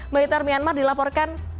militer myanmar dilaporasi